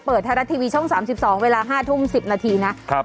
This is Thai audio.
เปิดทะเลาะทีวีช่อง๓๒เวลา๕ทุ่ม๑๐นาทีนะ